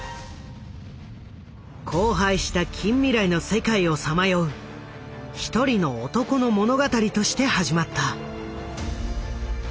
荒廃した近未来の世界をさまよう一人の男の物語として始まった。